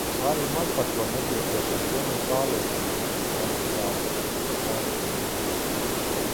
Arī man par to nepieciešama pilnīga pārliecība, komisār Oettinger.